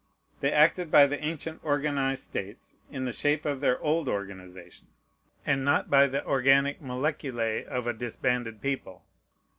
They acted by the ancient organized states in the shape of their old organization, and not by the organic moleculæ of a disbanded people.